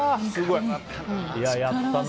やったな。